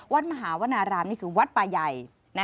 วัดมหาวนารามนี่คือวัดป่าใหญ่